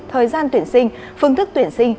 thời gian tuyển sinh phương thức tuyển sinh